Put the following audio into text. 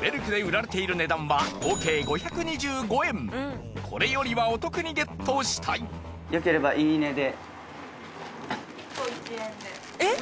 ベルクで売られている値段はこれよりはお得にゲットしたいえっ